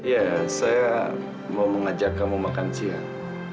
ya saya mau mengajak kamu makan siang